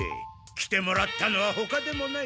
来てもらったのはほかでもない